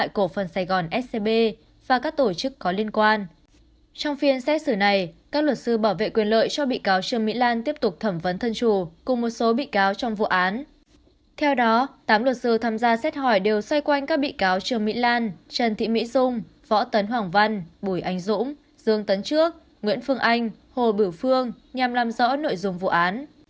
qua xét hỏi đều xoay quanh các bị cáo trường mỹ lan trần thị mỹ dung võ tấn hoàng văn bùi anh dũng dương tấn trước nguyễn phương anh hồ bửu phương nhằm làm rõ nội dung vụ án